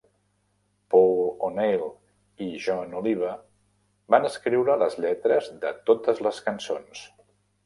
Paul O'Neill i Jon Oliva van escriure les lletres de totes les cançons.